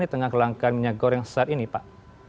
di tengah kelangkaan minyak goreng saat ini pak